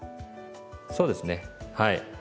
そうですねはい。